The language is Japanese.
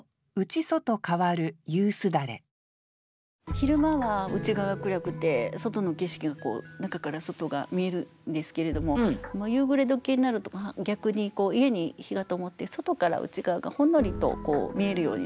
昼間は内側が暗くて外の景色が中から外が見えるんですけれども夕暮れ時になると逆に家に灯がともって外から内側がほんのりと見えるようになるという。